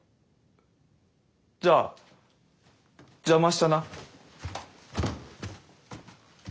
じゃあ邪魔したな。